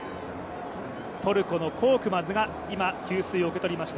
トルコのコークマズが今給水を受け取りました。